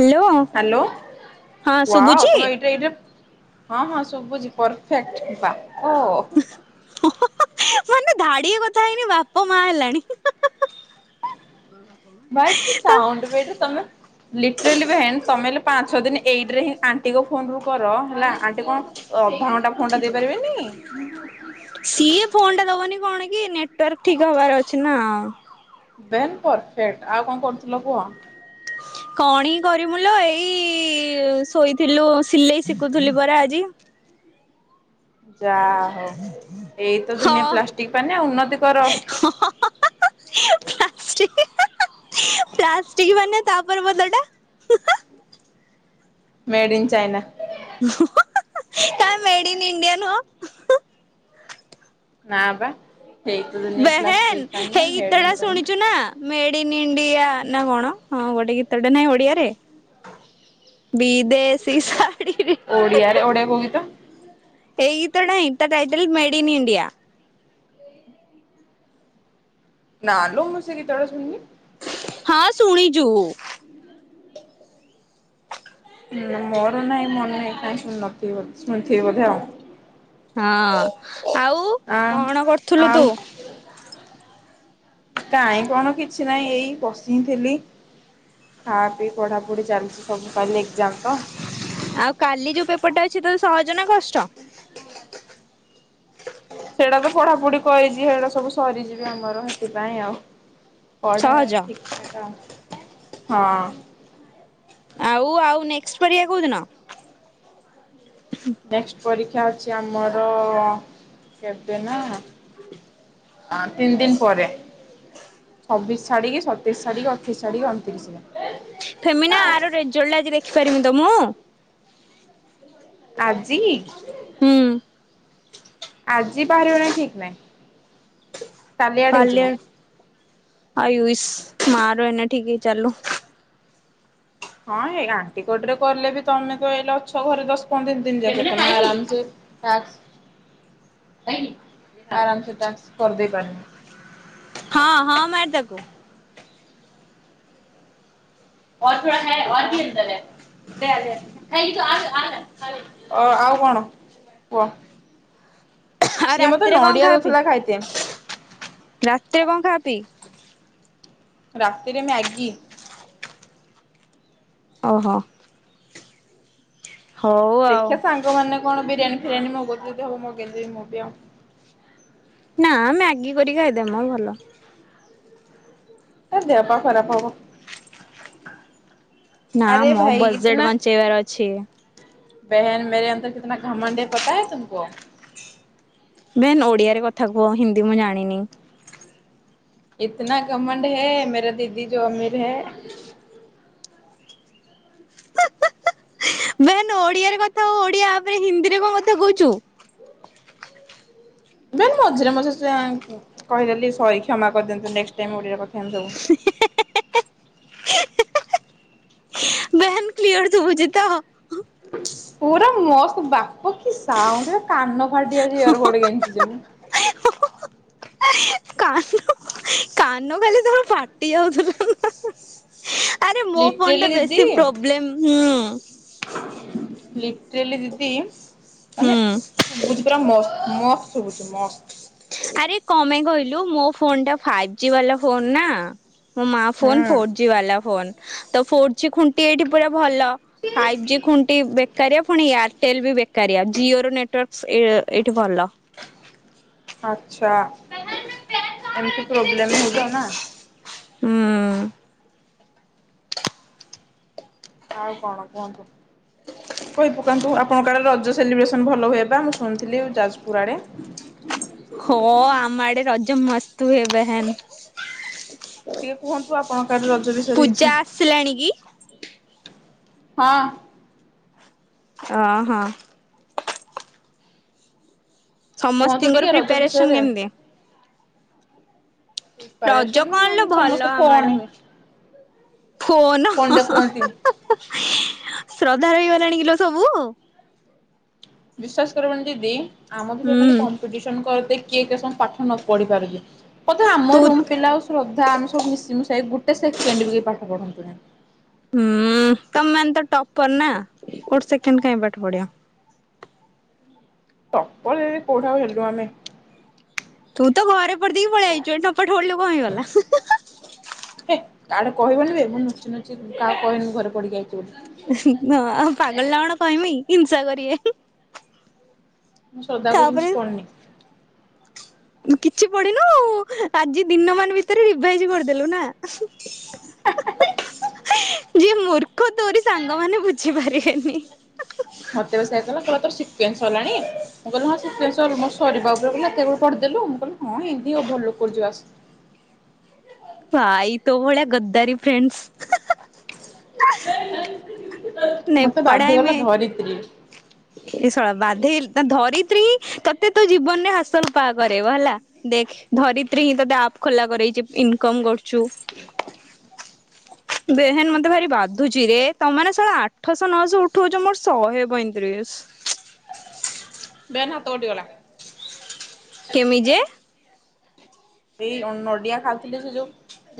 Hello hello ହଁ ୱା ଶୁଭୁଛି ତମେ ଏଇଟା ଏଇଟା ହଁ ହଁ, ଶୁଭୁଛି ପରଫେକ୍ଟ ବାପ। ମାନେ ଧାଡିଏ କଥା ହେଇନି ବାପା ମା ହେଲାଣି। [unintelligible] ଭାଇ କି ତ ସାଉଣ୍ଡ ବେ ଏଟା ତମେ ଲିଟରାଲି ଭେନ୍ ତମେ ହେଲେ ପାଞ୍ଚ ଦିନ ଏଇଟରେ ହି ଆଣ୍ଟି କ ଫୋନ ରୁ କର ହେଲା ଆଣ୍ଟି କଣ ଅଧା ଘଣ୍ଟା ଫୋନ୍ ଟା ଦେଇପାରିବେନି? ସିଏ ଫୋନ୍ ଟା ଦବନି କଣ କି ନେଟୱାର୍କ ଠିକ୍ ହବାର ଅଛି ନା। ଦେନ୍ ପରଫେକ୍ଟ ଆଉ କଣ କରୁଥିଲ କୁହ? କଣ ହିଁ କରିମୁଲ ଏଇ ଶୋଇଥିଲୁ ସିଲେଇ ଶିଖୁଥିଲି ପରା ଆଜି। ଯାହୋଉ ଏଇତ ହଁ ଦୁନିଆ ପ୍ଲାଷ୍ଟିକ ପାନ ଉନ୍ନତି କର। [unintelligible] ମାନେ ତା ପର ପଦଟା? Made in China. [unintelligible] କାଇଁ ମେଡ୍ ଇନ୍ ଇଣ୍ଡିଆନ୍ ହୁଅ। ନାଁ ବା। ଏଇ ତ ଦୁନିଆ ପ୍ଲାଷ୍ଟିକ ବେହେନ୍ ପାନିଆ ହେଇ ମେଡ୍ ଗୀତ ଇନ୍ ଟା ଚାଇନା। ଶୁଣିଛୁ ନା? ମେଡ୍ ଇନ୍ ଇଣ୍ଡିଆ ନା କଣ ହଁ ଗୋଟେ ଗୀତଟେ ନାହିଁ ଓଡିଆରେ? ବିଦେଶୀ ଶାଢ଼ୀରେ ଓଡ଼ିଆରେ ଓଡ଼ିଆ କଉ ଗୀତ। ଏଇ ଗୀତ ନାଇଁ ତା ଟାଇଟେଲ୍ ମେଡ ଇନ୍ ଇଣ୍ଡିଆ। ନା ଲୋ ମୁଁ ସେ ଗୀତ ଡା ଶୁଣିନି। ହଁ ଶୁଣିଚୁ। ହୁଁ ମୋର ନାଇଁ ମନ୍ ନାହିଁ କା ନଥିବି ବ ଶୁଣିଥିବି ବୋଧେ ଆଉ। ହଁ ଆଉ ଆଁ କଣ କରୁଥୁଲୁ ଆଉ ତୁ। କାଇଁ କଣ କିଛି ନାଇଁ ଏଇ ବସିି ଥିଲି। ଖା ପି ପଢା ପଢି ଚାଲିଚି ସବୁ କାଲି ଏକ୍ଜାମ ତ। ଆଉ କାଲି ଯୋଉ ପେପର ଟା ଅଛି ତ ସହଜ ନା କଷ୍ଟ। ସେଡା ତ ପଢାପଢି କରିଚି ହେଡା ସବୁ ସରି ଯିବି ଆମର ହେଥିପାଇଁ ଆଉ ପଢା ସହଜ ଠିକ୍ ଠାକ୍ ଆଉ। ଆଉ ଆଉ ନେକ୍ସ ପରିଆ କୋଉଦିନ? ନେକ୍ସଟ ପରୀକ୍ଷା ଅଛି ଆମର କେବେ ନା ଆଁ ତିନି ଦିନ ପରେ ଛବିସ୍ ଛାଡିକି ସତେଇଶି ଛାଡିକି ଅଠେଇ ଛାଡ଼ି ଅଣତିରିଶରେ ଫେମିନା ଆର ରେଜଲ୍ଟ ଆଜି ଦେଖିପାରିମି ତ ମୁଁ। ଆଜି ହୁଁ। ଆଜି ବାହାରିବ ନା ଠିକ୍ ନାଇଁ। କାଲି [unintelligible] ମା ର ଏଇନେ ଠିକି ଚାଲୁ। ହଁ ହେଇ ଆଣ୍ଟିକୋଟରେ କଲେ ବି ତମେ ତ ଏଇଲେ ଅଛ ଘରେ ଦଶ ପନ୍ଦର ଦିନ [inaudible] ଟାସ୍କ ଆରାମ ସେ ଟାକ୍ସ କରି ଦେଇ ପାରିବ ହଁ ହଁ ମାର ତାକୁ। [inaudible] ଅ ଆଉ କଣ କୁଅ ଆଉ ସିଏ ମତେ ରାତିରେ କଣ ନଡିଆ ଖାଆ ପି ଦଉଥୁଲା ଖାଇଦିଅ। ରାତିରେ କଣ ଖା ପି? ରାତିରେ ମ୍ୟାଗି। ଓହୋ। ହଉ ଆଉ। ଦେଖିଆ ସାଙ୍ଗ ମାନେ କଣ ବିରିୟାନୀ ଫିରିୟାନୀ ମଗଉଥିଲେ ଯଦି ହବ ମଗେଇଦବି ମୁଁ ବି ଆଉ। ନା ମ୍ୟାଗି କରି ଖାଇଦେ ମ ଭଲ। ଏ ଦେହ ପା ଖରାପ ହବ। ନା ଆରେ ମୋ ଭାଇ ବଜେଟ୍ ଇତନା ବଞ୍ଚେଇବାର ଅଛି। [unintelligible] [unintelligible] ଓଡ଼ିଆରେ କଥା କୁହ ହିନ୍ଦୀ ମୁଁ ଜାଣିନି। [unintelligible] ବେନ୍ ଓଡିଆରେ କଥା ହ ଓଡିଆ ଆବେ ହିନ୍ଦୀରେ କଣ କଥା କହୁଛୁ। ବେ ମଝିରେ ମଝିରେ [unintelligible] କହିଦେଲି ସରି କ୍ଷମା କରିଦିଅନ୍ତୁ ନେକ୍ସଟ ଟାଇମ୍ ଓଡ଼ିଆରେ କଥା ହେବି ସବୁ। ହେ ହେ ହେ ହେ [unintelligible] କ୍ଲିୟର ସୁବୁଚି ତ? ପୁରା ମସ୍ତ ବାପ କି ସାଉଣ୍ଡ ଵେ କାନ ଫାଟି ଯାଉଛି ୟରବର୍ଡ ଗେଂଜିଚି ମୁଁ। କାନ କାନ ଖାଲି ତୋର ଫାଟି ଯାଉଥିଲା ନା ଆରେ ମୋ ଫୋନ ଲିଟରେଲି ଟା ଦିଦି ବେଶୀ ପ୍ରୋବ୍ଲେମ ହୁଁ। ଲିଟରେଲି ଦିଦି ମାନେ ହୁଁ। ଶୁଭୁଚି ପୁରା ମସ୍ତ ମ ଶୁଭୁଚି ମସ୍ତ। ଆରେ କ ମାଇଁ କହିଲୁ ମୋ ଫୋନ ଟା ଫାଇବ୍ ଜି ବାଲା ଫୋନ ନା। ମୋ ମା ଫୋନ ଫୋର୍ ହୁଁ ଜି ବାଲା ଫୋନ ତ ଫୋର୍ ଜି ଖୁଣ୍ଟି ଏଇଠି ପୁରା ଭଲ। ଫାଇଭ୍ ଜି ଖୁଣ୍ଟି ବେକାରିଆ ପୁଣି ଏଆର ଟେଲ ବି ବେକାରିଆ ଜିଓ ର ନେଟୱାର୍କ ଏଇଠି ଭଲ। ଆଛା ଏମିତି ପ୍ରୋବ୍ଲେମ ହଉଚ ନା। ହୁଁ। ଆଉ କଣ କୁହନ୍ତୁ? କିଛି କହି ପକାନ୍ତୁ ଆପଣଙ୍କ ଆଡ଼େ ରଜ ସେଲିବ୍ରେସନ୍ ଭଲ ହୁଏ ବା ମୁଁ ଶୁଣିଥିଲି ଯାଜପୁର ଆଡ଼େ। ହ ଆମ ଆଡେ ରଜମସ୍ତ ହୁଅ ବା ହେନ ଟିକେ କୁହନ୍ତୁ ଆପଣଙ୍କ ଆଡେ ରଜ ବିଷୟରେ କିଛି। ପୂଜା ଆସିଲାଣି କି? ହଁ। ଅ ହଁ। କୁହନ୍ତୁ ସମସ୍ତିଙ୍କର ଟିକେ ରଜ ପ୍ରିପାରେସନ ବିଷୟରେ କେମିତ? ରଜ ପ୍ରିପାରେସନ କଣ ଲୋ ଭଲ ସମସ୍ତେ ଆମ ଫୋନ ଆଡେ ହୁଏ। ଫୋନ ଶ୍ରଦ୍ଧା ହେଇଗଲାଣି କିଲୋ ସବୁ। ବିଶ୍ଵାସ କରିବନି ଦିଦି ଆମ ଭିତରେ ହୁଁ ଖାଲି କମ୍ପିଟିସନ କରିଦେ କିଏ କେ ସମ ପାଠ ନ ପଢି ପାରୁଛି ବୋଧେ ଆମ ରୁମ୍ ତୁ ପିଲା ଆଉ ଶ୍ରଦ୍ଧା ଆମେ ସବୁ ମିଶି ମିଶାଇକ ଗୋଟେ ସେକେଣ୍ଡ ବି କେହି ପାଠ ପଢନ୍ତୁନି। ହୁଁ ତମ ମାନେ ତ ଟପର ନା ଗୋଟେ ସେକେଣ୍ଡ କାଇଁ ପାଠ ପଢ଼ିବ। ଟପର ରି ରି କୋଉଠି ଆଉ ହେଲୁ ଆମେ। ତୁ ତ ଘରେ ପଢ଼ି ଦେଇକି ପଳେଇ ଆଇଛୁ ଏଠି ନପାଠ ପଢିଲେ କଣ ହେଇଗଲା ହେ କାଡେ କହିବନି ଵେ ମୁଁ ନୁଚି ନୁଚି କାହା କହିନି ଘରେ ପଡିକି ଆଇଛି ବୋଲି। ହ ପାଗଳ ନା କଣ କହିମି ହିଂସା କରିବେ। ମୁଁ ଶ୍ରଦ୍ଧା କହୁଛି ମୁଁ ତାପରେ କିଛି ପଡିନି। କିଛି ପଡିନୁ ଆଜି ଦିନ ମାନ ଭିତରେ ରିଭାଇଜ କରିଦେଲୁ ନା। ଯିଏ ମୂ- - ର୍ଖ ତୋରି ସାଙ୍ଗମାନେ ବୁଝିପାରିବେନି। ମତେବା ସେଆ କିହିଲା ତୋର ସିକ୍ଏନ୍ସ ସରିଲାଣି ମୁଁ କହିଲି ହଁ ସିକେନ୍ସ ଅଲମୋଷ୍ଟ ସରିବା ଉପରେ ଏତେ କଉଠୁ ପଢ଼ିଦେଲୁ ମୁଁ କହିଲି ହଁ ଏମିତି ଓଭଲୁକ୍ କରିଛିି ବାସ୍। ଭାଇ ତୋ ଭଳିଆ ଗଦ୍ଦାରି ଫ୍ରେଣ୍ଡସ୍। ନାଇଁ ମତେ ପଢାଇ ବାଧ୍ୟ କଲା ମେ ଧରିତ୍ରୀ। ଏ ସଳା ବାଧେଇ ଧରିତ୍ରୀ ହିଁ ତତେ ତୋ ଜୀବନ ରେ ହାସଲ ପା କରେଇବ ହେଲା। ଦେଖ ଧରିତ୍ରୀ ହିଁ ତୋତେ ଆପ୍ ଖୋଲା କରେଇଛି ଇନକମ କରୁଛୁ। [inaudible] ବେହେନ ମତେ ଭାରି ବାଧୁଛି ରେ ତମ ମାନେ ସଳା ଆ ଠଶହ ନଶହ ଉଠଉଛ ମୋର ଶହେ ପଇଁତିରିଶ। ବେହେନ୍ ହାତ କଟିଗଲା। କେମି ଯେ? ଏଇ ନଡିଆ ଖାଉଥିଲି ସେ ଯୋଉ।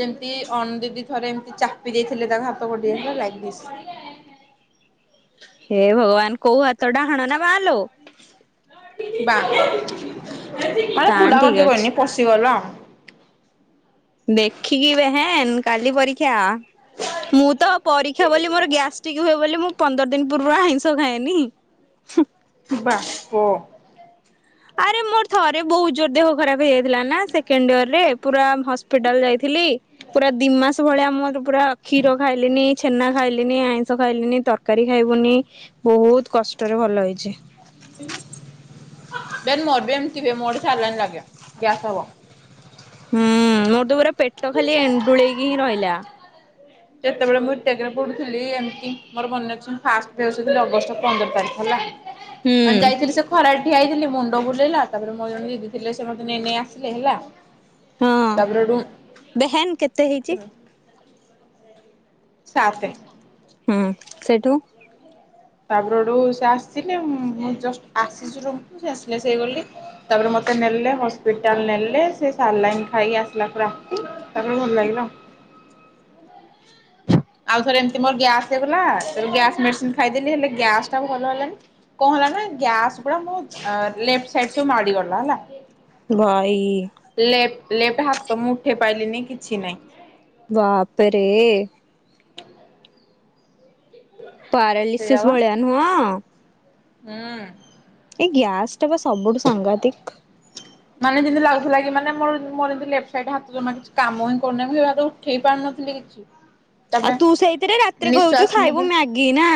ଯେମତି ଅନୁ ଦିଦି ଥରେ ଏମିତି ଚାପି ଦେଇଥିଲେ ତାଙ୍କ ହାତ କଟି ଆଇ ଥିଲା ଲାଇକ ଦିଶ ହେ ଭଗବାନ କୋଉ ହାତ ଟା ଡାହାଣ ନା ବାହ୍ନା ଲୋ? ବା ମାନେ ତାନ ପୁଲା ଠିକ ଅଛି କଟିବନି ପଶିଗଲ। ଦେଖିକି ବେହେନ୍ କାଲି ପରୀକ୍ଷା। ମୁଁ ତ ପରୀକ୍ଷା ବୋଲି ମୋର ଗ୍ୟାଷ୍ଟ୍ରିକ ହୁଏ ବୋଲି ମୁଁ ପନ୍ଦର ଦିନ୍‌ ପୂର୍ବରୁ ଆଇଁଷ ଖାଏନି। ବାପ। ଆରେ ମୋର ଥରେ ବହୁତ ଜୋର ଦେହ ଖରାପ ହେଇଯାଇଥିଲା ନା ସେକେଣ୍ଡ ଇୟର ରେ ପୁରା ହସ୍ପିଟାଲ ଯାଇଥିଲି ପୁରା ଦି ମାସ ଭଳିଆ ମୁଁ ପୁରା କ୍ଷୀର ଖାଇଲିନି ଛେନା ଖାଇଲିନି ଆଇଁଷ ଖାଇଲିନି ତରକାରୀ ଖାଇବୁନି। ବହୁତ କଷ୍ଟରେ ଭଲ ହେଇଛି। ବ ମୋର ବି ଏମତିିବେ ମୋଡିେ ସାରିଲଣି ଲାଗେ ଗ୍ୟାସ୍ ହବ। ହୁଁ ମୋର ତୁ ପୁରା ପେଟ ଖାଲି ଏଣ୍ଡୁଳେଇକି ହିଁ ରହିଲା। ଯେତେବେଳେ ମୁଁ ଇତ୍ୟାକରେ ପଢୁଥିଲି ଏମିତି ମୋର ମନେ ଅଛି ଫାଷ୍ଟେ ଅଗଷ୍ଟ ପନ୍ଦର ତାରିଖ ହେଲା ହୁଁ ମାନେ ଯାଇଥିଲି ସେ ଖରା ଠିଆଇଥିଲି ମୁଣ୍ଡ ବୁଲେଇଲା ତାପରେ ମୋ ଜଣେ ଦିଦି ଥିଲେ ସେ ମତେ ନେଇ ଆସିଲେ ହେଲା। ତାପରେ ବେହେନ୍ କେତେ ହେଇଛି। ସାତେ ହୁଁ ସେଠୁ ତାପରେଠୁ ସେ ଆସିଲେ ଜଷ୍ଟ ଆସି ରୁୁ ସେ ଆସିଲେ ସେଇ ଗଲେ ତାପରେ ମତେ ନେଲେ ହସ୍ପିଟାଲ ନେଲେ ସେ ସାର ଲାଇନ୍ ଖାଇକି ଆସିଲାକୁ ରାତି। ତାପରେ ଭଲ ଲାଗିଲା। ଆଉ ଥରେ ଏମିତି ମୋର ଗ୍ୟାସ୍ ହେଇଗଲା ଗ୍ୟାସ ମେଡିସିନ ଖାଇଦେଲି ହେଲେ ଗ୍ୟାସ ଟା ଭଲ ହେଲାନି କଣ ହେଲା ନା ଗ୍ୟାସ ପୁରା ମୋ ଲେଫ୍ଟ ସାଇଡ୍ ମାଡିଗଲା ହେଲା ଭାଇ। ଲେଫ ଲେଫ୍ଟ ହାତ ମୁଁଉଠେ ପାଇଲିନି କିଛି ନାଇଁ। ବାପ ରେ। ସେଇଆ ପାରାଲିସିସ୍ ବା ଭଳିଆ ନୁହଁ। ହୁଁ। ଏଇ ଗ୍ୟାସ ଟା ବା ସବୁଠୁ ସାଘାତିକ୍। [unintelligible] ମାନେ ଯେମିତି ଲାଗୁଥିଲା କି ମାନେ ମୋର ମୋର ଜେମିତି ଲେଫ୍ଟ ସାଇଡ ହାତ କିଛି କାମ ହିଁ କରୁନି ମୁଁ ସେ ହାତ ଉଠେଇ ପାରୁନଥିଲି କି [unintelligible] ଆଉ ତୁ ସେଇଥିରେ ରାତିରେ କହୁଛୁ ଖାଇବୁ ନେବି ମ୍ୟାଗି ନା?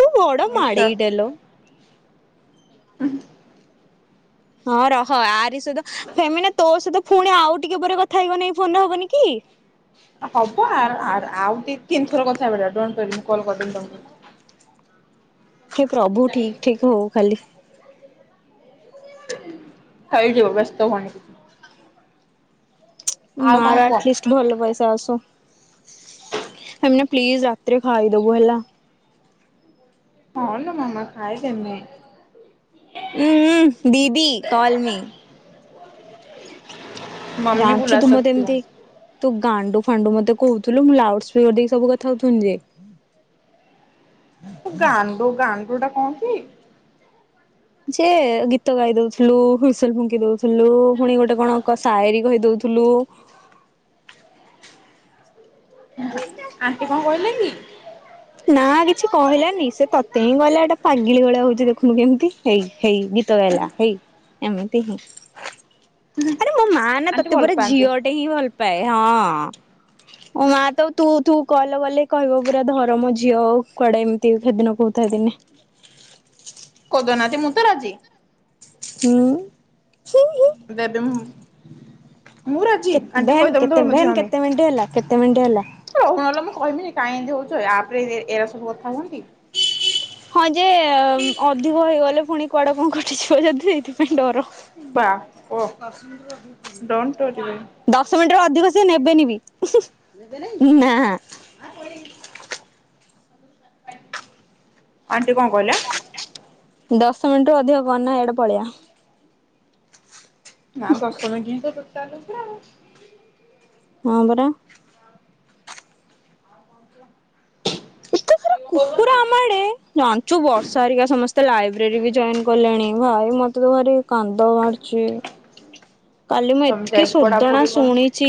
ତୁ ବଡ ନିଶ୍ୱାସ ମାଡ଼େଇ ଟାଲୋ। [unintelligible] ହଁ ରହ ଆରି ସହିତ ଫେମି ନା ତୋ ସହିତ ପୁଣି ଆଉ ଟିକେ ପରେ କଥା ହେଇଗଲେ ଏଇ ଫୋନରେ ହବନି କି? ହବ ଆ ଆଉ ଟିକେ ତିନିଥର କଥା ହେ ପଡଣିବ ମୁଁ କଲ୍ କରିଦେବି ତମକୁ। ହେ ପ୍ରଭୁ ଠିକ ଠିକ ହଉ ଖାଲି। ହେଇଯିବ ବ୍ୟସ୍ତ ହୁନି। ଆଉ ମା କଣ ର କୁହ? ଆଟ୍ଲିଷ୍ଟି ଭଲ ପଇସା ଆସୁ ଏମନା ପ୍ଲିଜ ରାତିରେ ଖାଇଦବୁ ହେଲା। ହନ ମାମା ଖାଇ ଦେମି। ଉଁ ଦିଦି କଲ ମି। ଜାଣିଛୁ ତୁ ମତ ଏମିତି। ତୁ ଗାଣ୍ଡୁ ଫାଣ୍ଡୁ ମତେ କହୁଥିଲୁ ମୁଁ ଲାଉଡ ସ୍ପିକରି ସବୁ କଥା ହଉଥିଲି ଯେ। ଗାଣ୍ଡୁ ଗାଣ୍ଡୁ ଟା କଣ କି? ଯେ ଗୀତ ଗାଇ ଦଉଥିଲୁ ହୁଇସିଲ ଫୁଙ୍କି ଦଉଥିଲୁ ପୁଣି ଗୋଟେ କଣ ସାଏରୀ କହି ଦଉଥିଲୁ। [unintelligible] ଆଣ୍ଟି କଣ କହିଲେ କି? ନା କିଛି କହିଲାନି ସେ ତୋତେ ହିଁ କହିଲା ଏଟା ପାଗିଳି ଭଳିଆ ହଉଛି ଦେଖନୁ କେମିତି। ହେଇ ହେଇ ଗୀତ ଗାଇଲା ହେଇ ଏମିତି ହିଁ। ଆରେ ମୋ ମା ନା ଆଣ୍ଟି ତୋତେ ଭଲ ପରା ପାଆନ୍ତି ଝିଅ ଟେ ହିଁ ଭଲ ପାଏ ହଁ, ମୋ ମା ତ ତୁ ତୁ କଲ୍ କଲେ କହିବ ପୁରା ଧରମ ଝିଅ ଆଉ କୁଆଡେ ଏମିତି ସେଦିନ କହୁଥାଏ ଦିନେ। କୋଦଉ ନାହାତି ମୁଁ ତ ରାଜିି। ହୁଁ, ହୁଁ, ହୁଁ। ଦେବେ ମୁଁ ମୁଁ ରାଜି କେତେ ଆଣ୍ଟି କୁ ଭେନ୍ କହିଦବୁ ମୁଁ କେତେ ଧରମ ଝିଅ ଭେନ୍ ହେମି। କେତେ ମିନିଟ୍ ହେଲା କେତେ ମିନିଟ୍ ହେଲା। ତୁ ରହୁନ ହେଲେ ମୁଁ କହିବିନି କାଇଁ ଏମିତି ହଉଛ ଏ। ଆପ୍ ରେ ଏ- ଏରା ସବୁ କଥା ହୁଅନ୍ତି। ହଁ ଯେ ଅଧିକ ହେଇଗଲେ ପୁଣି କୁଆଡେ କଣ କଟିଯିବ ଯଦି ଏଇଥିପାଇଁ ଡର। ବାପ [unintelligible] ଦଶ ମିନିଟ୍ ର ଅଧିକ ସେ ନେବେନି ବି। ହୁଁ- ହୁଁ-ନା। ଆଣ୍ଟି କଣ କହିଲା? ଦଶ ମିନିଟ୍ ରୁୁ ଅଧିକ କନେ ଏଠି ପଳିଆ। ନା ଦଶମିନିଟ୍ ହିଁ ତୋ ଟୋଟାଲ୍‌ ହେଇଛି ଆଉ। ହଁ ପରା। ଏତେ ସାରା ଆଣ୍ଟି କଣ କୁକୁର କହୁଛନ୍ତି? ଆମ ଆଡେ ଜାଣିଛୁ ବର୍ଷା ହେରିକା ସମସ୍ତେ ଲାଇବ୍ରେରୀ ବି ଜଏନ୍ କଲେଣି। ଭାଇ ମୋତେ ତ ଭାରି କାନ୍ଦ ମାଡୁ ଛି। [inaudible] କାଲି ମୁଁ ତମେ ଏତିକି ଯାଇକି ଶୋଦଣା ପଢାପଢି କର ଶୁଣି ଛି,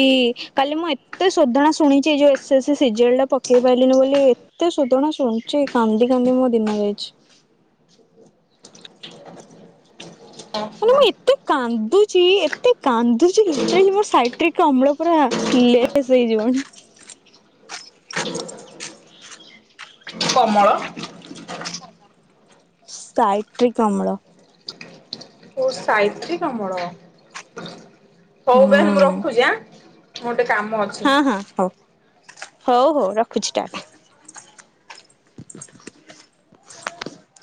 କାଲି ମୁଁ ଏତେ ଶୋଧଣା ଶୁଣିଛି ଏ ଯେ ଏସ୍‌ ଏସ୍‌ ସିଜେଲ୍ ଟା ପକେଇ ପାଇଲିନି ବୋଲି। ଏତେ ଶୋଧଣା ଶୁଣୁଛି କାନ୍ଦି କାନ୍ଦି ମୋ ଦିନ ଯାଇଛି। ମାନେ ମୁଁ ଏତେ କାନ୍ଦୁଛି ଏତେ କାନ୍ଦୁଚି ଲିଟରାଲି ମୋ ସାଇର୍ଟ୍ରିକ୍ ଅମ୍ଳ ପୁରା ଥିଲେ [inaudible] ସେଇ ଯିବ ନା? କମଳ ସାଇଟ୍ରିକ୍ ଅମ୍ଳ। ଓ ସାଇର୍ଟ୍ରିକ୍‌ ଅମ୍ଳ। ହଉ ହୁଁ। ତାହେନେ ମୁଁ ରଖୁଛି ଆଁ। ମୁଁ ଗୋଟେ କାମ ଅଛି। ହଁ ହଉ ହଉ ହଉ ରଖୁଛି ତାହେଲେ।